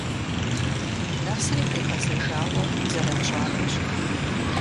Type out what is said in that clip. Нэсри къигъэзэжауэ зэранщӀакӀуэщ.